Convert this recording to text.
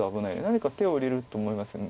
何か手を入れると思います。